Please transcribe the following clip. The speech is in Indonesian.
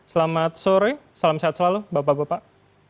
selamat sore salam sehat selalu bapak bapak